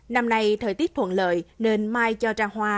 năm nay thời tiết thuận lợi nên mai cho ra hoa